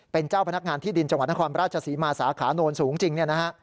เป็นเจ้าพนักงานที่ดินจังหวัดนครราชศรีมาสาขาโนนสูงจริงเนี่ยนะฮะ